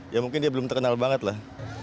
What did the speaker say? ya mungkin dia belum terkenal banget lah